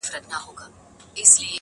خو په حقیقت کې ناسم دی